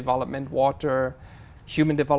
với vấn đề về